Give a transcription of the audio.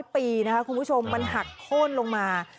ปีนะคะคุณผู้ชมมันหักโค้นลงมา